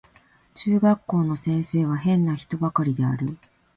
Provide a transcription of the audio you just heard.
中学校の先生は変な人ばかりである